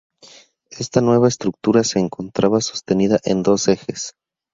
Esta nueva estructura se encontraba sostenida en dos ejes.